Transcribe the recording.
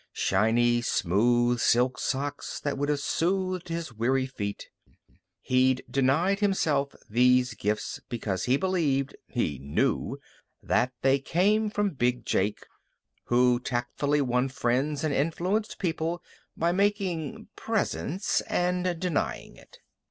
Shiny, smooth silk socks that would have soothed his weary feet. He'd denied himself these gifts because he believed he knew that they came from Big Jake, who tactfully won friends and influenced people by making presents and denying it.